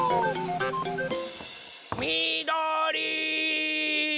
みどり！